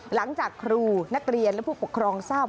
หลังจากครูนักเรียนและผู้ปกครองทราบ